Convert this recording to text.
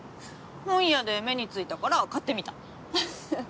本屋で目についたから買ってみたフフッ。